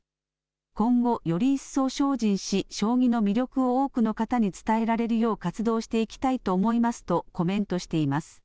今後より一層精進し将棋の魅力を多くの方に伝えられるよう活動していきたいと思いますとコメントしています。